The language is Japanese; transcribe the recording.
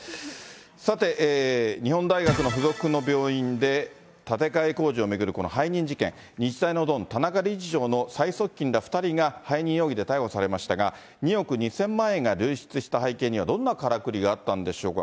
さて、日本大学の附属の病院で、建て替え工事を巡るこの背任事件、日大のドン、田中理事長の最側近ら２人が背任容疑で逮捕されましたが、２億２０００万円が流出した背景にはどんなからくりがあったんでしょうか。